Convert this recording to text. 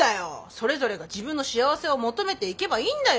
それぞれが自分の幸せを求めていけばいいんだよ。